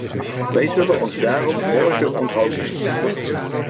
Wij zullen ons daarom morgen onthouden.